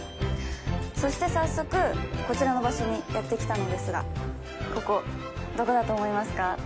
そして早速こちらの場所にやって来たのですがここどこだと思いますか？